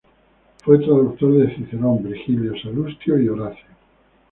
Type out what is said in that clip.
Fue traductor de Cicerón, Virgilio, Salustio y Horacio.